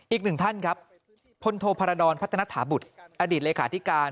อีกหนึ่งท่านครับพลโทพารดรพัฒนาถาบุตรอดีตเลขาธิการ